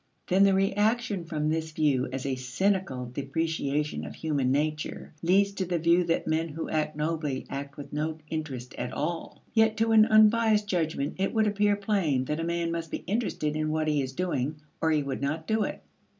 Then the reaction from this view as a cynical depreciation of human nature leads to the view that men who act nobly act with no interest at all. Yet to an unbiased judgment it would appear plain that a man must be interested in what he is doing or he would not do it.